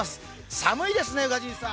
寒いですね、宇賀神さん？